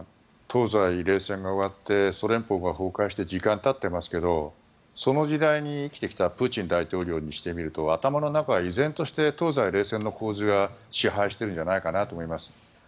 東西冷戦が終わってソ連邦が崩壊して時間経ってますけどその時代に生きてきたプーチン大統領にしてみると頭の中は依然として東西冷戦の構図が支配してるんじゃないかと思います。